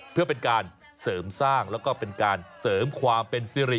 เพื่อเป็นการเสริมสร้างแล้วก็เป็นการเสริมความเป็นสิริ